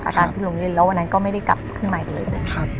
อาการซุดลงเลี้ยวเลี้ยวแล้ววันนั้นก็ไม่ได้กลับขึ้นใหม่ไปเลยครับ